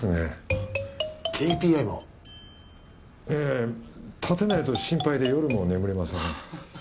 ええ立てないと心配で夜も眠れません。